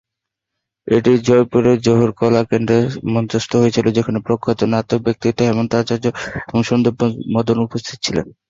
এটি জয়পুরের জওহর কলা কেন্দ্রে মঞ্চস্থ হয়েছিল; যেখানে প্রখ্যাত নাট্য ব্যক্তিত্ব হেমন্ত আচার্য এবং সন্দীপ মদন উপস্থিত ছিলেন।